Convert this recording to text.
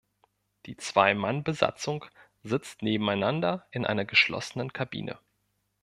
Die Zwei-Mann-Besatzung sitzt nebeneinander in einer geschlossenen Kabine.